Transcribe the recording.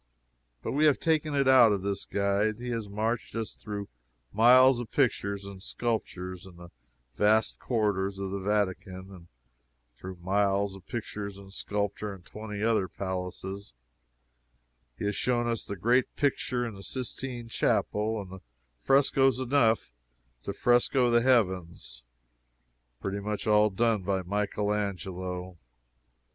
But we have taken it out of this guide. He has marched us through miles of pictures and sculpture in the vast corridors of the Vatican; and through miles of pictures and sculpture in twenty other palaces; he has shown us the great picture in the Sistine Chapel, and frescoes enough to frescoe the heavens pretty much all done by Michael Angelo.